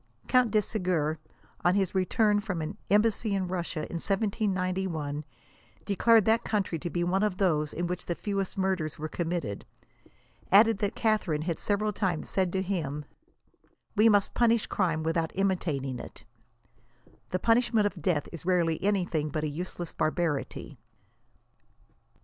Count de Segur, on his return from an em bassy in Russia in 1791, declared that country to be one of those in which the fewest murders were committed, adding that Catharine had several times said to him, '< we must punish crime without imitating it ; the punishment of death is rarely anything but a useless barbarity."